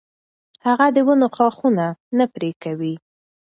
هغه د ونو ښاخونه نه پرې کوي.